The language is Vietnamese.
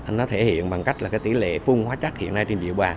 nó thể hiện bằng cách là cái tỷ lệ phun hóa chất hiện nay trên địa bàn